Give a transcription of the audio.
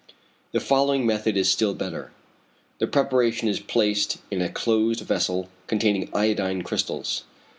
The following method is still better. The preparation is placed in a closed vessel containing iodine crystals.